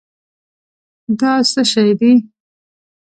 دا څه شی دی؟